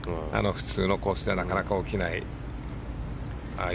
普通のコースではなかなか起きない。